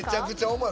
重い。